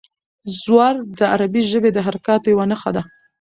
زور د عربي ژبې د حرکاتو یوه نښه ده.